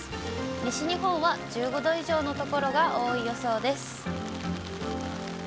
西日本は１５度以上の所が多い予想です。